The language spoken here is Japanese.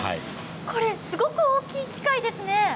これすごく大きい機械ですね。